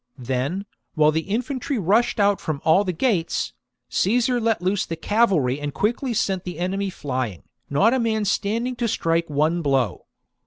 Then, while the infantry rushed out from all the gates, Caesar let loose the cavalry and quickly sent the enemy flying, not a man standing to strike one blow.